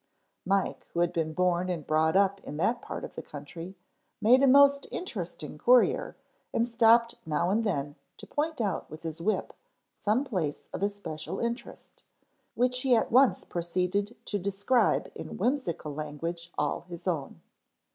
Mike, who had been born and brought up in that part of the country, made a most interesting courier and stopped now and then to point out with his whip some place of especial interest, which he at once proceeded to describe in whimsical language all his own.